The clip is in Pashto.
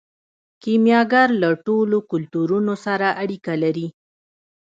کیمیاګر له ټولو کلتورونو سره اړیکه لري.